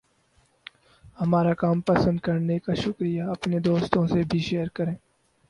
ہمارا کام پسند کرنے کا شکریہ! اپنے دوستوں سے بھی شیئر کریں۔